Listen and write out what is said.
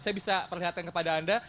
saya bisa perlihatkan kepada anda